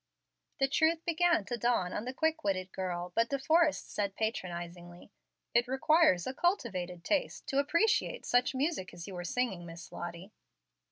The truth began to dawn on the quick witted girl, but De Forrest said, patronizingly, "It requires a cultivated taste to appreciate such music as you were singing, Miss Lottie."